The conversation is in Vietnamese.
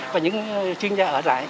và những chuyên gia ở lại